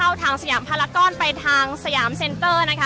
อาจจะออกมาใช้สิทธิ์กันแล้วก็จะอยู่ยาวถึงในข้ามคืนนี้เลยนะคะ